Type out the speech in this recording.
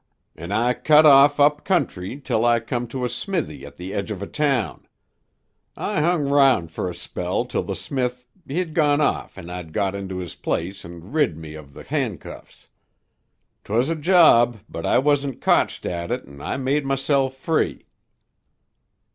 "An' I cut off up country till I come to a smithy at the edge of a town. I hung round fer a spell till the smith hed gone off an' I got into his place an' rid me of the handcuffs. 'Twas a job, but I wasn't kotched at it an' I made myself free."